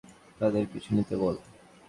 তাদের পিছু নিতে বল।